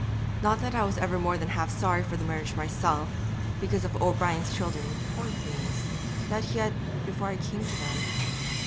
'Not that I ever was more than half sorry for the marriage myself, because of O'Brien's children, poor things, that he had before I came to them.